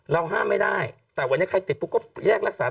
ห้ามไม่ได้แต่วันนี้ใครติดปุ๊บก็แยกรักษา